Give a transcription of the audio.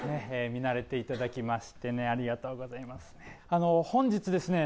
見慣れていただきましてねありがとうございます本日ですね